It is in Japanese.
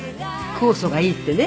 酵素がいいってね。